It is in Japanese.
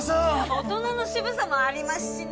大人の渋さもありますしね。